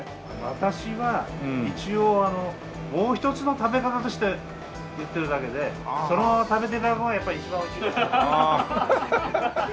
私は一応もう一つの食べ方として言ってるだけでそのまま食べて頂くのがやっぱ一番おいしいと思います。